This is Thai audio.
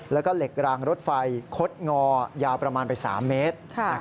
แล้วก็เหล็กรางรถไฟคดงอยาวประมาณไป๓เมตร